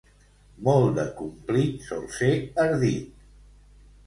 Molt de complit sol ser ardit.